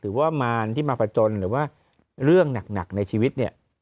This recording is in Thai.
ซึ่งคิดว่ามารที่มาฝัดจนหรือว่าเรื่องหนักในชีวิตเนี่ย